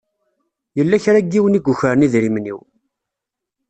Yella kra n yiwen i yukren idrimen-iw.